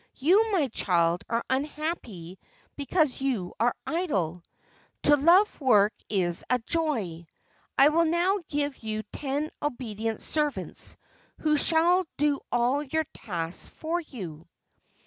You, my child, are unhappy because you are idle. To love work is a joy. I will now give you ten obedient servants who shall do all your tasks for you."